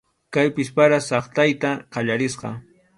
Kaypis para saqtayta qallarisqa.